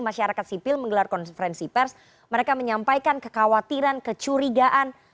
masyarakat sipil menggelar konferensi pers mereka menyampaikan kekhawatiran kecurigaan